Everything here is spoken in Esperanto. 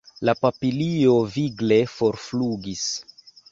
La papilio vigle forflugis.